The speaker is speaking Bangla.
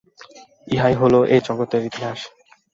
ইহাই হইল এই জগতের ইতিহাস।